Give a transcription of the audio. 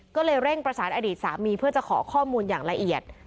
ก็เลยเร่งประสานอดีตสามีเพื่อจะขอข้อมูลอย่างละเอียด